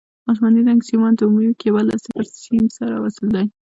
اسماني رنګ سیمان د عمومي کیبل له صفر سیم سره وصل دي.